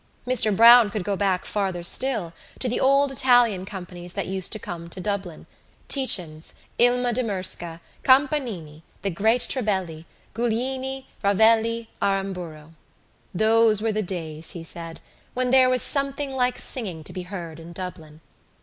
Mr Browne could go back farther still, to the old Italian companies that used to come to Dublin—Tietjens, Ilma de Murzka, Campanini, the great Trebelli, Giuglini, Ravelli, Aramburo. Those were the days, he said, when there was something like singing to be heard in Dublin.